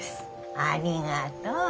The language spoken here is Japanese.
ありがとう。